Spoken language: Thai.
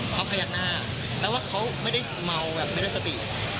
เขาพยักหน้าแปลว่าเขาไม่ได้เมาแบบไม่ได้สติ